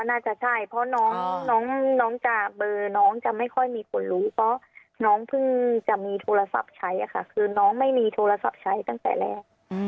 น่าจะใช่เพราะน้องจะเบอร์น้องจะไม่ค่อยมีคนรู้เพราะน้องเพิ่งจะมีโทรศัพท์ใช้ค่ะคือน้องไม่มีโทรศัพท์ใช้ตั้งแต่แรก